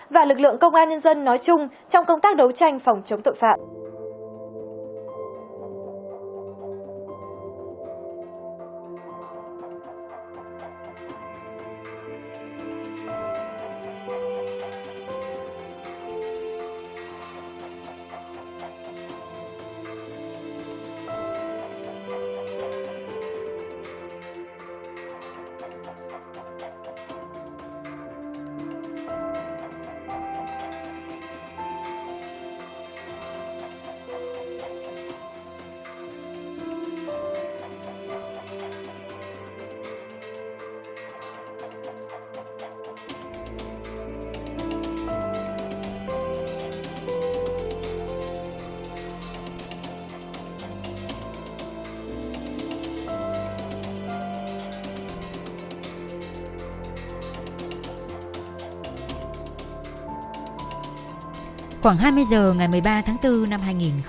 và lực lượng công an nhân dân nói chung trong công tác đấu tranh phòng chống tội phạm